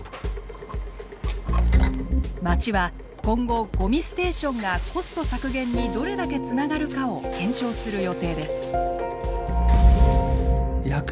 まちは今後ごみステーションがコスト削減にどれだけつながるかを検証する予定です。